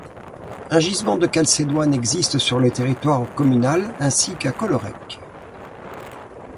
Un gisement de calcédoine existe sur le territoire communal, ainsi qu'à Collorec.